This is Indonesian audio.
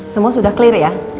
semua sudah clear ya